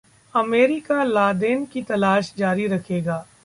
America Laden की तलाश जारी रखेगा